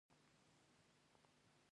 یا حیران عاشق په مرګ مړ شي چې خلاص شي.